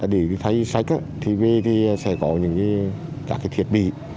để thay sách thì sẽ có những cái thiết bị